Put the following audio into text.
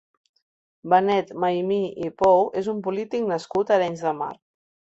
Benet Maimí i Pou és un polític nascut a Arenys de Mar.